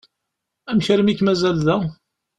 Amek armi i k-mazal da?